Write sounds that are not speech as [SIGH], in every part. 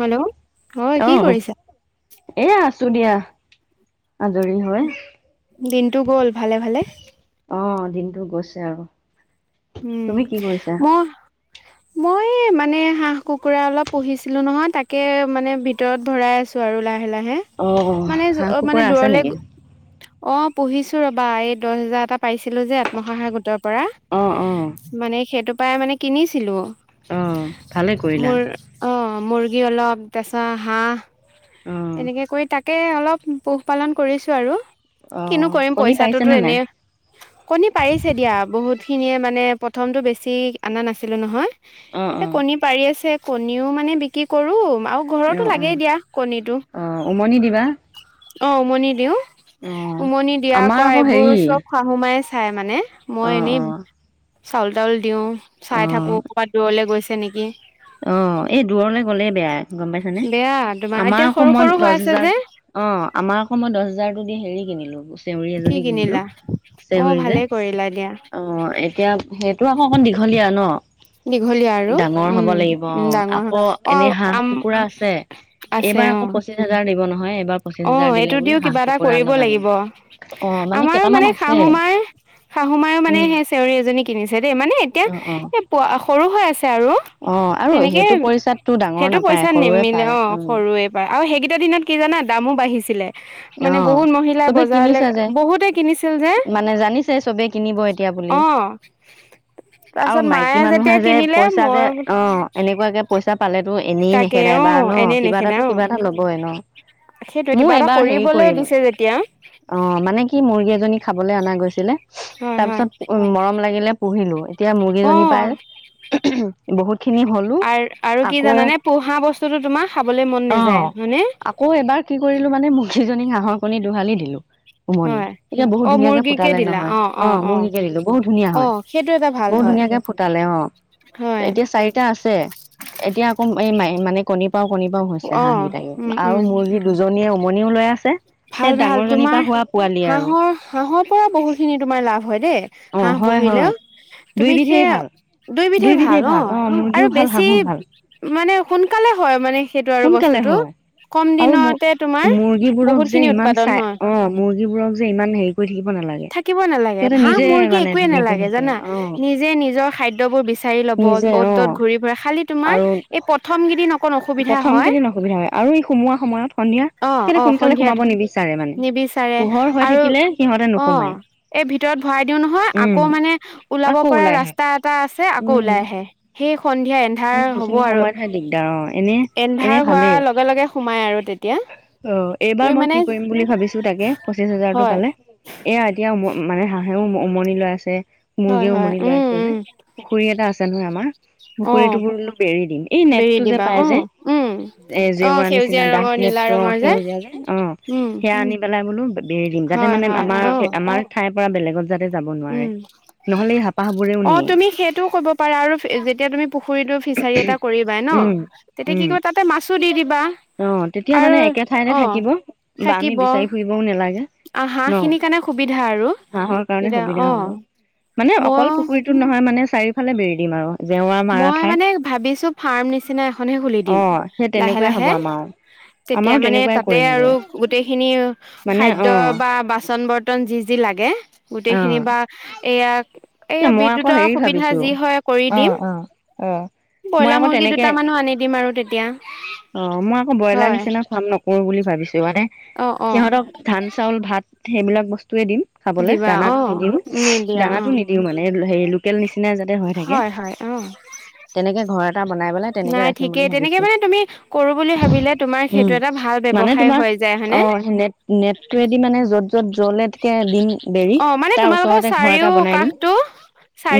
Hello হয় কি আহ কৰিছা? এয়া আছ আছো দিয়া। আজৰি হয় দিনটো গ'ল ভালে ভালে। অ' দিনটো গৈছে আৰু। তুমি উম, কি কৰিছা? মোৰ মই মানে হাঁহ কুকুৰা অলপ পুহিছিলো নহয় তাকে মানে ভিতৰত ভৰাই আছো আৰু লাইন লাহে লাহে অ মানে হাঁহ কুকুৰা মানে আছে দূৰলে নেকি? অ পঢ়িছো ৰবা এই দহ হেজাৰ এটা পাইছিলো যে আত্মসহায়ক গোটৰ পৰা অ অ মানে সেইটো পৰাই মানে কিনিছিলো অঁ ভালে কৰিলা মোৰ অ' মুৰ্গী অলপ তাৰচত হাঁহ অ এনেকে কৰি তাক তাকে অলপ পোহপালন কৰিছো আৰু। অ কিনো কৰিম কণী পইচাটোতো পাৰিছেনে নাই? এনেই কণী পাৰিছে দিয়া বহুত। খিনিয়ে মানে প্ৰথমতটো বেছি অনা নাছিলো নহয় অ অ এতিয়া কণী পাৰি আছে। কণীও মানে বিক্ৰী কৰো। আৰু ঘৰতো অ অ লাগেই দিয়া কণীটো। অ উমনি দিবা অ উমনি দিও অ উমনি দিয়া আমাৰ কআ আকৌ এইবোৰ হেৰি চব শাহুমাই চাই মানে অ মই এনেই অ চাউল তাউল দিওঁ অ চাই থাকো ক'ৰবাত দূৰলে গৈছে নেকি অ এই দূৰলে গ'লে বেয়া গম পাইছানে বেয়া তোমাৰ আমাৰ এতিয়া আক' সৰু মই সৰু হৈ দহ আছে যে হেজাৰ অ আমাৰ আক' মই দহ হেজাৰতো হেৰি কিনিলো বস্তু চেওৰি কি এজনী কিনিলো কিনিলা অ চেউৰি যে ভালে কৰিলা দিয়া অ এতিয়া স তোৰ আকৌ অকন দীঘলীয়া ন দীঘলীয়া আৰু ডাঙৰ উম হব লাগিব উম অ উম ডাঙৰ আকৌ হা অ এনেই হাঁহ কুকুৰা আছে আছে এইবাৰ অ আকৌ পঁচিশ হাজাৰ দিব নহয় এইবাৰ পঁচিশ অ হাজাৰ দিলে এইটো বোলো দিও হাঁহ কিবা এটা কুকুৰা কৰিব অলপ আনিম লাগিব অ আমাৰ কেইটামান মানে আছে খাহুমাৰ শাহু মায়ও মানে উম সেই চেউৰি এজনী কিনিছে দেই মানে এতিয়া অ অ এ প সৰু হৈ আছে আৰু অ আৰু সেনেকেই সেইটো পইচাতটো ডাঙৰ সেইটো নাপায় পইচা সৰুৱে নিমিলে পায় উম সৰু এইবাৰ আৰু সেই কেইটা দিনত কি জানা দামো বাঢ়িছিলে অ মানে বহুত মহিলাই চবে বজাৰলৈ কিনিছে যে বহুতে কিনিছিল যে মানে জানিছে চবে কিনিব এতিয়া বুলি অ আৰু তাৰপিছত মায়ে মাইকী মানুহে যেতিয়া যে কিনিলে পইচা যে মই অ এনেকুৱাকে পইচা পালে এনেই তাকে নেখেদা অ এবাৰ ন এনেই কিবা নেখেদা এটাটো অ কিবা এটা ল'বই আৰু ন সেইটোৱে মোৰ কিবা এটা এবাৰ কি কৰিবলৈ কৰিম দিছে যেতিয়া অ মানে কি মুৰ্গী এজনী খাবলৈ অনা গৈছিলে হয় তাৰ হয় পিছত উ মৰম লাগিলে পুহিলো এতিয়া অ মুৰ্গীজনীৰ পাই বহুত খিনি হলো আৰু আৰু কি আকৌ জানানে পোহা বস্তুটোো তোমাৰ খাবলৈ মন নাযায় হয়নে আকৌ এবাৰ কি কৰিলো মানে মুগীজনী হাঁহৰ কণী দোহালি দিলো উমনি হয় এতিয়া বহুত ধুনীয়াকে ফুটালে নহয় অ মূৰ্গিকে দিলো বহুত ধুনীয়া অ হয় সেইটো এটা ভাল বহুত হয় ধুনিয়াকে ফুটালে অ হয় এতিয়া চাৰিটা আছে এতিয়া ম এই মানে কণী পাৰও কণী পাৰও হৈছে অ হাঁহ কেইটাকি উম আৰু উম মুৰ্গী দুজনীয়ে উমনিও লৈ আছে ভাল সেই ভাল ডাঙৰজনীৰ তোমাৰ পৰা হোৱা পোৱালি আৰু হাঁহৰ হাঁহৰ পৰা বহুতখিনি তোমাৰ লাভ হয় দেই অ হাঁহ হয় হয় পুহিলেও তুমি দুইবিধেই সেই ভাল দুইবিধে ভাল দুইবিধেই অ মুৰ্গীও আৰু ভাল বেছি হাঁহো ভাল মানে সোনকালে হয় মানে সেইটো আৰু সোনকালে বস্তুটো হয় কম দিনতে তোমাৰ বোৰক বহুত যে খিনি ইমান উৎপাদন চাই হয় অ মুৰ্গী বোৰক যে ইমান হেৰি কৰি থাকিব নালাগে থাকিব নালাগে সিহঁতে হাঁহ নিজে মুৰ্গী মানে একোৱে ধুনীয়াকে নালাগে হেৰি কৰে জানা অ নিজে নিজৰ খাদ্যবোৰ বিচ বিচাৰি ল'ব নিজে অ'ত অ ত'ত ঘূৰি ফুৰা খালি তোমাৰ আৰু এই প্ৰথম কেইদিন অকণ অসুবিধা প্ৰথম হয় কেইদিন অসুবিধা হয় আৰু এই সোমোৱা সময়ত সন্ধিয়া অ সেতে অ সোনকালে সন্ধিয়াত সোমাব নিবিচাৰে মানে নিবিচাৰে পোহৰ হৈ আৰু থাকিলে সিহঁতে অ নোসোমাই এই ভিতৰত ভৰাই দিও নহয় উম আকৌ মানে ওলাব আকৌ পৰা ওলাই আহে ৰাস্তা এটা আছে আকৌ উম ওলাই আহে সেই সন এতিয়া এন্ধাৰ হ'ব সেইখিনি আৰু সময়তহে দিগদাৰ অ এনে এনে এন্ধাৰ ভালেই হোৱাৰ লগে লগে সোমাই আৰু তেতিয়া অ তুমি এইবাৰ মই মানে কি কৰিম বুলি ভাবিছো তাকে পঁচিছ হাজাৰটো হয় পালে এয়া এতিয়া উম মানে হাঁহেও উমনি লৈ আছে হয় মূৰ্গিও হয় উমনি লৈ উম আছে যে উম পুখুৰী এটা আছে নহয় আমাৰ অ পুখুৰীটো বোলো অলপ বেৰি দিম এই বেৰি নেটটো যে দিবা পাই অ যে উম এ অ জেওৰা নিচিনা সেউজীয়া দাঠ ৰঙৰ নীলা নেটটো ৰঙৰ সেউজীয়া যে অ উম সেয়া আনি পেলাই বোলো বেৰি দিম যাতে হয় মানে হয় আমাৰ অ আমাৰ ঠাইৰ পৰা বেলেগত যাতে যাব নোৱাৰে। উম নহ'লে এই হাপাহবোৰেও অ', নিয়ে, তুমি সেইটোও কব পাৰা আৰু যেতিয়া তুমি পুখুৰীটো ফিচাৰী এটা কৰিবাই ন' উম, তেতিয়া কি উম। কৰিব তাতে মাছো দি দিব অ', তেতিয়া মানে একে ঠাইতে থাকিব, বা আমি বিচাৰি ফুৰিবও নালাগে। আহ ন, হাঁহখিনিৰ কাৰণে সুবিধা আৰু হাঁহৰ কাৰণে তেতিয়া সুবিধা হ'ব। অ' মানে মই অকল পুখুৰীটোত নহয় মানে চাৰিওফালে বেৰি দিম আৰু জেওৰা মাৰা মই ঠাইত মানে ভাবিছো ফাৰ্ম নিচিনা এখনহে খুলি দিম লাহে লাহে বোৱাম আৰু তেতিয়া মানে তাতে আৰু গোটেই খিনি মানে অ খাদ্য বা বাচন বৰ্তন যি যিল লাগে গোটেই খিনি বা এই এ মই আকৌ হেৰি ভাবিছো হয় কৰি দিম অ', অ'। অ', মই ব্ৰইলাৰ আকৌ মুৰ্গী তেনেকে দুটামানো আনি দিম আৰু তেতিয়া অ', মই আকৌ ব্ৰইলাৰ হয় নিচিনা কাম নকৰো বুলি ভাবিছো মানে অ', অ', সিহঁতক ধান চাউল ভাত সেইবিলাক বস্তু দিম খাবলে, দিবা দানটো অ', নিদিও নিদিয়া অ', দানাটো নিদিও মানে লোকেল নিচিনা যাতে হৈ থাকে হয়, হয় অ', তেনেকে ঘৰ এটা বনাই পেলাই তেনেকে নাই ৰাখিম ঠিকেই বুলি তেনেকে ভাবিছো, মানে তুমি কৰো বুলি ভাবিলে তোমাৰ সেইটো উম এটা ভাল মানে ব্যৱসায় তোমাৰ হৈ যায় হয়নে অ', নেট নেটটোৱেদি মানে য'ত য'ত জ্বলেতকে দিম দেৰি অ', মানে তাৰ তোমালোকৰ ওচৰতে ঘৰ চাৰিও এটা বনাই দিম কাষটো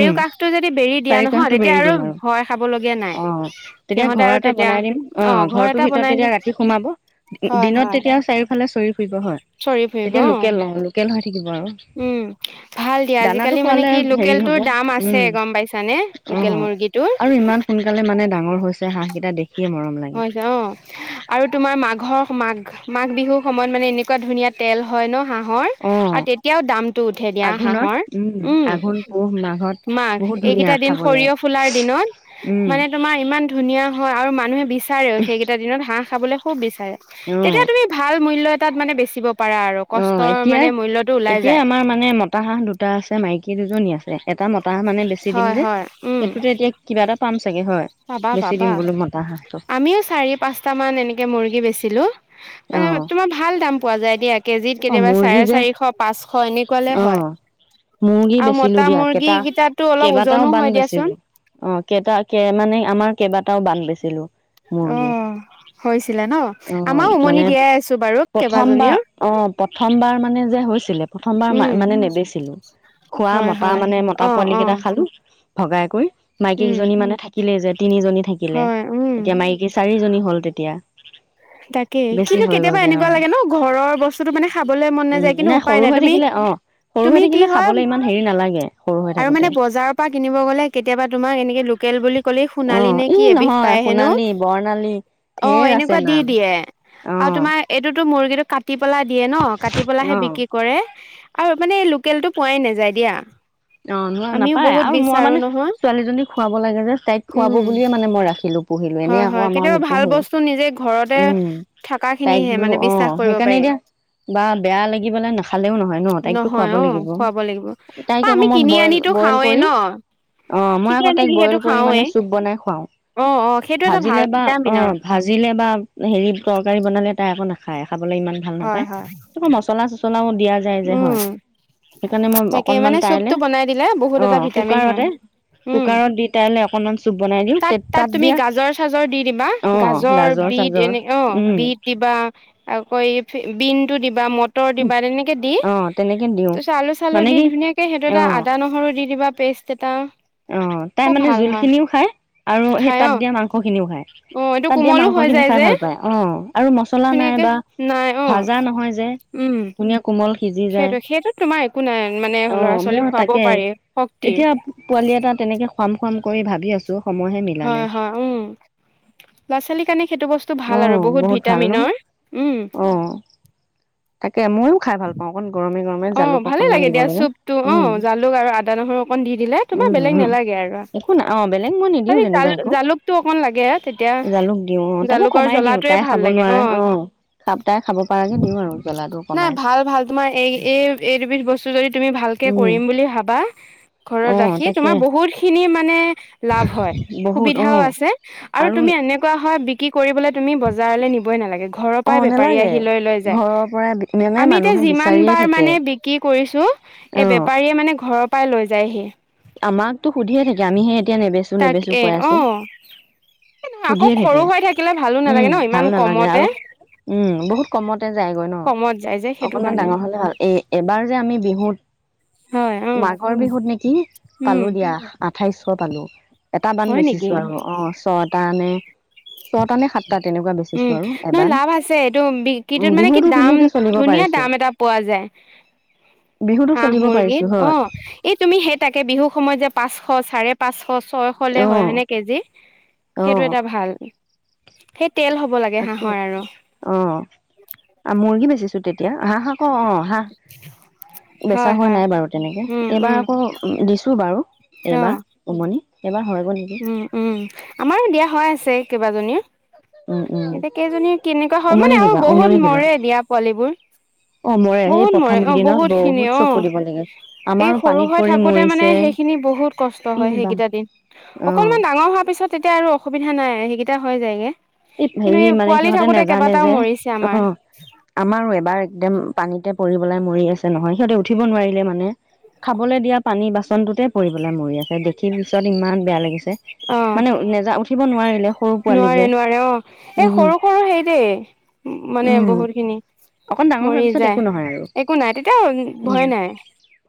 উম কাষটো যদি বেৰি দিয়া নহয় চাৰিকাষটো তেতিয়া বেৰি দিম আৰু, ভয় খাবলগীয়া নাই অ', তেতিয়া সিহঁতে ঘৰ আৰু এটা তেতিয়া বনাই দিম অ', ঘৰ ঘৰটোৰ এটা ভিতৰত বনাই দে তেতিয়া ৰাতি সোমাব হয়, দিনত হয় তেতিয়া চাৰি ফালে চৰি ফুৰিব হয় চৰি ফুৰিব তেতিয়া অ', লোকেল নহয়, লোকেল হোৱা থাকিব আৰু, উম, ভাল দিয়া দানাটো আজিকালি মানে খোৱালে কি হেৰি হ'ব লোকেলটোৰ দাম আছে উম গম পাইছানে অ', লোকেল মুৰ্গীটোৰ আৰু ইমান সোনকালে মানে ডাঙৰ হৈছে হাঁহকেইটা দেখি হৈছে অ', আৰু তোমাৰ মাঘৰ মাঘ মাঘ বিহুৰ সময়ত মানে এনেকুৱা ধুনীয়া তেল হয় ন' হাঁহ হাঁহৰ অ আৰু তেতিয়াও দামটো উঠে দিয়া আঘোণত হাঁহৰ উম, আঘোণ পুহ মাঘত মাঘ বহুত ধুনীয়া এইকেইটা দিন খাবলে সঁৰিয়হ ফুলাৰ দিনত উম। মানে তোমাৰ ইমান ধুনীয়া হয় আৰু মানুহে বিচাৰে সেইকেইটা দিনত হাঁহ খাবলৈ খুব বিচাৰে তেতিয়া অ'। তুমি ভাল মূল্য তাত মানে বেচিব পাৰা আৰু অ', কষ্টৰ মানে এতিয়াই মূল্যটো ওলাই এতিয়াই যায় আমাৰ মানে মতা হাঁহ দুটা আছে মাইকী দুজনী আছে। এটা মতা মানে বেছি দিম হয় যে, হয় উম সেইটোতে এতিয়া কিবা এটা পাম চাগে হয় পাবা বেছি দিম পাবা বোলো মতা হাঁহটো আমিও চাৰি, পাঁচটা মান এনেকে মুৰ্গী বেচিলো মানে অ', তোমাৰ ভাল দাম পোৱা যায় এ দিয়া কেজিত অ', কেতিয়াবা মুৰ্গী চাৰে যে চাৰিশ পাঁচশ এনেকুৱালৈ হয়। অ'। মুৰ্গী আৰু বেচিলো মতা দিয়া, মুৰ্গী কেইটা কেইটাতো অলপ ওজনো কেইবাটাও হয় বান দিয়াচোন। বেচিলো অ', কেইটা মানে আমাৰ কেইবাটাও বান্ধ বেচিলো। মুৰ্গী। অ', হৈছিলে ন' অ', আমাৰ উমনি মানে দিয়াই আছো বাৰু প্ৰথমবাৰ কেইবাজনীও। অ', প্ৰথমবাৰ মানে যে হৈছিলে প্ৰথমবাৰ উম মানে নেবেচিলো। খোৱা হয় মতা হয়। মানে মতা অ পোৱালি অ কেইটা খালো ভগাই কৰি উম মাইকীকেইজনী মানে থাকিলেই যে তিনিজনী থাকিলে হয় উম। এতিয়া মাইকী চাৰিজনী হ'ল তেতিয়া তাকে বেছি কিন্তু হৈ গ'ল কেতিয়াবা যে অ এনেকুৱা লাগে ন', ঘৰৰ বস্তুতটো মানে খাবলৈ মন উম নাযায় কিন্তু উপায় সৰু নাই, হৈ তুমি থাকিলে অ সৰু হৈ তুমি কি থাকিলে হয় খাবলৈ ইমান হেৰি নালাগে সৰু হৈ আৰু থাকোতে মানে বজাৰৰ পৰা কিনিব গ'লে কেতিয়াবা তোমাক এনেকে ল লোকেল বুলি ক'লে অ সোণালি নে কি ই এবিধ নহয় পায় হেনো সোণালী বৰ্ণালী অ', ঢেৰ এনে আছে দি নাম দিয়ে অ আৰু তোমাৰ এইটোটো মুৰ্গীটো কাটি পলা দিয়ে ন' কাটি পেলাহে অ বিক্ৰী কৰে আৰু মানে লোকেল টো পোৱাই নাযায় দিয়া। অ', নহ আমিও নাপায় বহুত আৰু মই বিচাৰো মানে নহয় ছোৱালীজনী খুৱাব লাগে যে তাইক খুৱাব উম বুলিয়ে মানে মই ৰাখিলো। নুপুহিলো এনেই হয় আকৌ হয় আমাৰ কেতিয়াবা ভাল নোপোহে। বস্তু নিজে ঘৰতে উম থকা তাইক খিনিহে বোলো মানে বিশ্বাস অ', কৰিব সেইকাৰণে পাৰি এতিয়া বা বেয়া লাগিব নাখালেও নহয় ন তাইকতো নহয় খুৱাব অ লাগিব খুৱাব লাগিব তাইক বা কৌ আমি মই কিনি বইল আনিতো বইল খাওঁৱে কৰি ন অ মই কিনি আকৌ আনি তাইক বইল যিহেতু কৰি খাওঁৱে মানে চুপ বনাই খুৱাও অ অ সেইটো এটা ভাল ভাজিলে বা অ ভিটামিনৰ ভাজিলে বা হেৰি তৰকাৰী বনালে তাই আকৌ নাখায় খাবলৈ ইমান ভাল হয় নাপায় হয় আকৌ মছলা চচলাও দিয়া উম সেইকাৰণে মই তাকে মানে চুপটো অকনমান াইলে বনাই দিলে বহুত অ এটা ভিটামিন কুকাৰ হয় উম কুকাৰত দি তাইলে অকনমান চুপ বনাই দিওঁ তাত তুমি দিয়া গাজৰ চাজৰ দি দিবা অ', গাজৰ বিট চাজৰ এনে অ', উম বিট দিবা আকৌ এই বিনতটো দিবা মটৰ দিবা তেনেকে দি অ তেনেকে দিওঁ তাৰপিছত আলু চালু মানে দি কি ধুনীয়াকে সেইটো অ এটা আদা নহৰু দি দিবা পেষ্ট এটা অ', তাই খুব মানে ভাল হয় জোলখিনিও খায় আৰু সেই খাই তাত অ দিয়া মাংস খিনিও খায়। অ এইটো তাত দিয়া কোমলো মাংস হৈ খিনি যায় খাই যে ভাল পায় অ'। আৰু মছলা নাই ধুনীয়াকে বা নাই অ ভাজা নহয় যে উম ধুনীয়া কোমল সিজি যায় সেইটো সেইটো তোমাৰ একো নাই মানে অ ল'ৰা মই ছোৱালীক খুৱাব তাকে পাৰি এতিয়া শক্তিৰ পোৱালি এটা তেনেকে খুৱাম খাম কৰি ভাবি আছো সময়হে মিলা হয় নাই হয় উম ল'ৰা ছোৱালীৰ কাৰণে সেইটো বস্তু অ ভাল আৰু বহুত ভাল ন ভিটামিনৰ উম ে ময়ো খাই ভাল পাওঁ অণ গৰমে গৰম অ ভালে লাগে দিয়া চুপতটো অ জালুক আৰু আদা নহৰু অকণ দি দিলে উম তোমাৰ বেলেগ উম নালাগে আৰু অ বেলেগ মই নিদিও খালি জাল যেনিবা একো জালুকটো অকণ লাগে তেতিয়া জালুক দিওঁ অ তাকো জালুকৰ কমাই দিওঁ জ্বলাটোৱে তাই ভাল খাব লাগে নোৱাৰে অ খাপ তাই খাব পৰাকে দিওঁ আৰু জ্বলাটো নাই কমাই ভাল ভাল তোমাৰ এই এই এইবিধ বস্তু যদি তুমি ভালকে উম কৰিম বুলি ভাবা ঘৰত অ ৰাখি তাকে তোমাৰ বহুত খিনি মানে লাভ হয় বহুত অ সুবিধাও আছে আৰু তুমি এনেকুৱা হয় বিক্ৰী কৰিবলে অ বেপাৰী নালাগে আহি লৈ লৈ যায় ঘৰৰ পৰাই মানে আমি এতিয়া মানুহে যিমান বিচাৰিয়ে বাৰ থাকে মানে বিক্ৰী কৰিছো অ এই বেপাৰীয়ে মানে ঘৰৰ পৰাই লৈ যায়হি আমাকতো সুধিয়ে থাকে আমিহে এতিয়া নেবেচো তাক নেবেচো এ কৈ অ আছো নহয় আকৌ সুধিয়ে সৰু থাকে হৈ থাকিলে ভালো উম নালাগে ন ভাল ইমান নালাগে কমতে আৰু উম বহুত কমতে যায়গৈ ন কমত যায় যে সেইটো অকনমান কাৰণে ডাঙৰ হলে ভাল এ এবাৰ যে আমি বিহুত হয় অ মাঘৰ বিহুত নেকি উম পালো দিয়া আঠাইশশ পালো এটা বান হয় নেকি বেচিছো আৰু অ ছটা নে ছটা নে সাত উম নহয় লাভ আছে এইটো উম বিকটোত মানে কি বিহুতো দাম ধুনীয়াকে চলিব ধুনীয়া পাৰিছো দাম এটা পোৱা যায় য বিহুতো হাঁহ চলিব মুৰ্গী পাৰিছো অ হয় এই তুমি সেই তাকে বিহুৰ সময়ত যে পাঁচশ চাৰে পাঁচশ ছয়শলে অ হয় হয়নেে কেজি অ সেইটো এটা ভাল সেই তেল হ'ব লাগে তাকে হাঁহৰ আৰু অ মুৰ্গী বেচিছো তেতিয়া হ হ অ', অ' হা বেচা হয় হোৱা হয় নাই বাৰু তেনেকে উম এইবাৰ উম আকৌ দিছো বাৰু অ এইবাৰ উমনি এইবাৰ হৰত উম উম আমাৰো দিয়া হৈ আছে কেইবাজনী উম উম এতিয়া কেইজনী কেনেকুৱা হয় উমনি মানে আৰু দিবা উমনি বহুত দিবা মৰে দিয়া পোৱালিবোৰ অ মৰে সেই বহুত প্ৰথম মৰে অ কেইদিনত বহুত খিনি অ চকু দিব লাগে আমাৰো এই সৰু পানীত হৈ পৰি থাকোতে মানে মৰিছে সেই খিনি বহুত কষ্ট ই হয় বা সেইকেইটা দিন অ অকনমান ডাঙৰ হোৱাৰ পিছত তেতিয়া আৰু অসুবিধা নাই সেইকেইটা হয় যায়গে এই কিন্তু হেৰি মানে পোৱালি সিহঁতে থাকোতে নাজানে কেইবাটাও যে মৰিছে অ আমাৰ আমাৰো এবাৰ একদম পানীতে পৰিবেলাই মৰি আছে নহয় সিহঁতে উঠিব নোৱাৰিলে মানে খাবলৈ দিয়া পানী বাচন টোতে পৰিব মৰি আছে দেখি পিছত ইমান বেয়া লাগিছে অ মানে নেযা উঠ ৰাখিব নোৱাৰিলে সৰু পোৱালি নোৱাৰে যে অ নোৱাৰে এ উম সৰু সৰু হেই দেই মানে উম বহুত খিনি অকন ডাঙৰ হোৱাৰ মৰি পিছত যায় একো নহয় আৰু একো নাই তেতিয়া ভয় উম নাই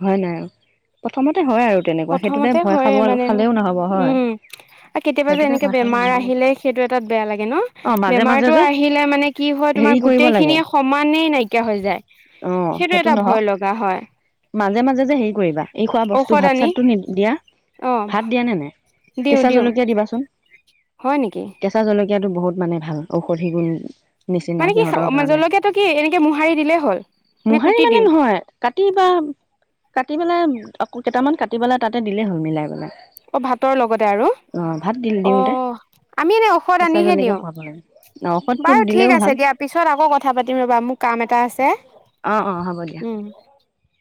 হয় নাই আৰু প্ৰথমতে হয় আৰু তেনেকুৱা সেইটোতে প্ৰথমতে ভয় খাব হয় মানে খালেও নহব উম হয় আৰু কেতিয়াবা যে সেইটোতে এনেকে ভয় খালে বেমাৰ নহব আহিলে সেইটো [UNINTELLIGIBLE] বেয়া লাগে। ন অ মাজে মাজে বেমাৰতো যে আহিলে মানে কি হয় তোমাৰ হেৰি কৰিব গোটেই লাগে খিনিয়ে সমানেই নাইকিয়া হৈ যায়। অ সেইটো এটা নহওক ভয় লগা হয়। মাজে মাজে যে হেৰি কৰিবা এই খোৱা বস্তু ঔষধ ভাত আনি চাত। দিয়া অ ভাত দিয়া নে নাই দিওঁ কেঁচা দিওঁ জলকীয়া দিবাচোন হয় নেকি দয়াতো বহুত মানে ভাল ঔষধি গুণ নিচিনা মানে কি সিহঁতৰ কাৰণে জলকীয়াাতটো কি এনেকে মোহাৰি দিলেই হ'ল নে মোহাৰি কুটি মানে দিম নহয় কাটি বা কাটি পেলাই কেইটামান কাটি পেলাই তাতে দিলেই হ'ল মিলাই পেলাই। অ' ভাতৰ লগতে আৰু অ ভাত দি দিওঁতে অ' আমি এনে ঔষধ কেঁচা আনিহে জলকীয়া দিওঁ খুৱাব লাগে ঔষধটো বাৰু দিলেও ঠিক ভাল আছে দিয়া পিছত আকৌ কথা পাতিম ৰ'বা মোৰ কাম এটা আছে। অ', অ' হ'ব দিয়া। উম